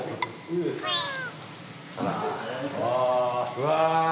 うわ。